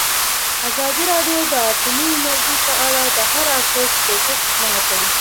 ازادي راډیو د اټومي انرژي په اړه د هر اړخیز پوښښ ژمنه کړې.